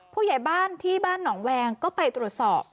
ผู้ใหญ่บ้านที่บ้านหนองแวงก็ไปตรวจสอบ